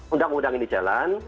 undang undang ini jalan